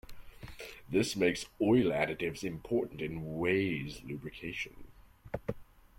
This makes oil additives important in ways lubrication.